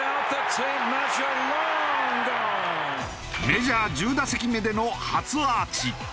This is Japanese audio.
メジャー１０打席目での初アーチ。